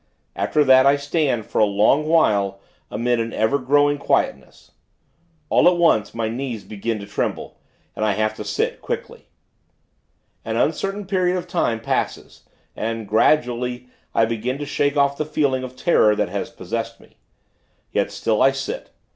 After that, I stand, for a long while, amid an ever growing quietness. All at once, my knees begin to tremble, and I have to sit, quickly. An uncertain period of time passes, and, gradually, I begin to shake off the feeling of terror, that has possessed me. Yet, still I sit.